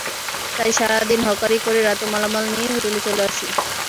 তাই সারা দিন হকারি করে রাতে মালামাল নিয়েই হোটেলে চলে আসি।